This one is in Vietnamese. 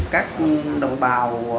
các đồng bào